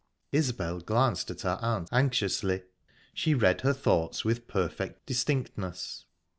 Isbel glanced at her aunt anxiously; she read her thoughts with perfect distinctness.